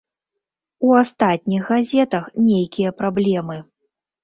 У астатніх газетах нейкія праблемы.